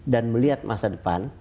dan melihat masa depan